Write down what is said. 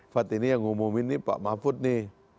fad ini yang ngumumin nih pak mahfud nih